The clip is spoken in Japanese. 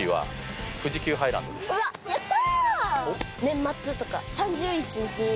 うわっやった！